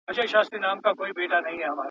چي کیسې اورم د هیوادونو `